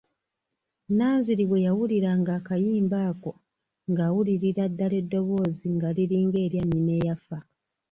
Nanziri bwe yawuliranga akayimba ako ng'awulirira ddala eddoboozi nga liringa erya nnyina eyafa.